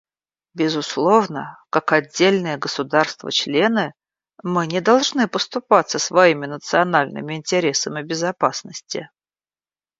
Безусловно, как отдельные государства-члены, мы не должны поступаться своими национальными интересами безопасности.